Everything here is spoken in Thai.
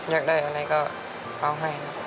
อยากได้อะไรก็เอาให้